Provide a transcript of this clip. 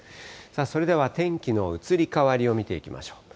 それでは天気の移り変わりを見ていきましょう。